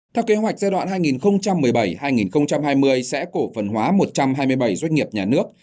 theo kế hoạch giai đoạn hai nghìn một mươi bảy hai nghìn hai mươi sẽ cổ phần hóa một trăm hai mươi bảy doanh nghiệp nhà nước